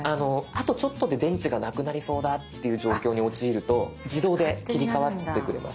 あとちょっとで電池がなくなりそうだっていう状況に陥ると自動で切り替わってくれます。